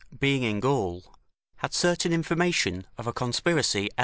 ] being in Gaul, had certain information of a conspiracy L.